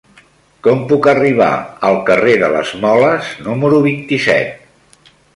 Com puc arribar al carrer de les Moles número vint-i-set?